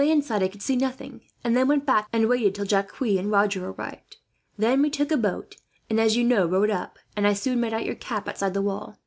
"On the land side I could see nothing, and then went back and waited till Jacques and Roger returned. Then we took a boat and, as you know, rowed up; and I soon made out your cap outside the wall.